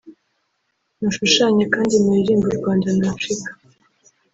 mushushanye kandi muririrmbe u Rwanda na Afrika